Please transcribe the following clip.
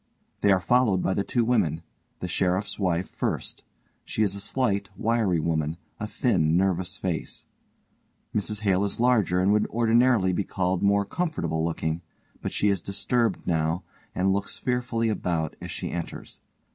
They are followed by the two women the_ SHERIFF_'s wife first; she is a slight wiry woman, a thin nervous face_. MRS HALE _is larger and would ordinarily be called more comfortable looking, but she is disturbed now and looks fearfully about as she enters.